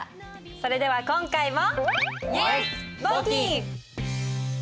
それでは今回も。